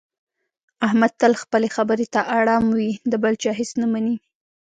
احمد تل خپلې خبرې ته اړم وي، د بل چا هېڅ نه مني.